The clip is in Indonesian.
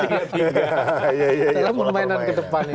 ya ya ya pola permainan